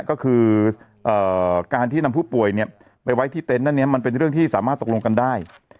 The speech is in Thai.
ก็คือการที่นำผู้ป่วยไปไว้ที่เต็นต์อันนี้มันเป็นเรื่องที่สามารถตกลงกันได้